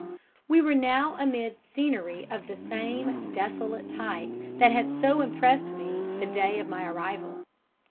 We were now amid scenery of the same desolate type that had so impressed me the day of my arrival.